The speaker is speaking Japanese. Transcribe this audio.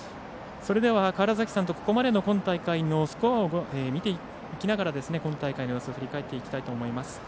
それでは、川原崎さんとここまでの今大会のスコアを見ていきながら今大会の様子を振り返っていきたいと思います。